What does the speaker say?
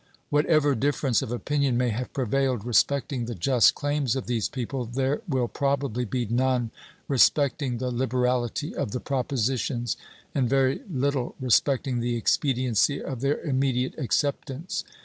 What ever difference of opinion may have prevailed respecting the just claims of these people, there will probably be none respecting the liberality of the propositions, and very little respecting the expediency of their immediate acceptance.